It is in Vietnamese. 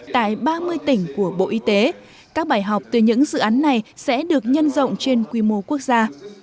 tại ba mươi tỉnh của bộ y tế các bài học từ những dự án này sẽ được nhân rộng trên quy mô quốc gia